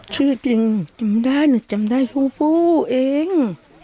ชื่อจริงจำได้นะจำได้ผู้เอง